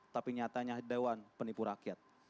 tapi nyatanya dewan penipu rakyat